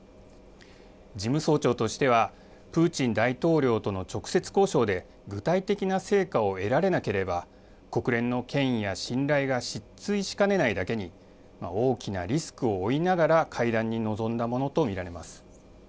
事務総長としては、プーチン大統領との直接交渉で、具体的な成果を得られなければ、国連の権威や信頼が失墜しかねないだけに、大きなリスクを負いながら会談に臨んだものと見られます。